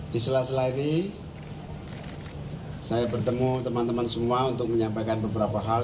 di sela sela ini saya bertemu teman teman semua untuk menyampaikan beberapa hal